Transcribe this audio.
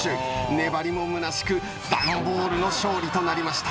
粘りもむなしく段ボールの勝利となりました。